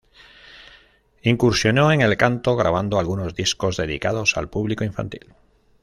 Incursionó en el canto grabando algunos discos dedicados al público infantil.